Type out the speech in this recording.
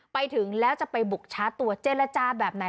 ไปถึงแล้วจะไปบุกช้าตัวเจ็ดและจ้าแบบไหน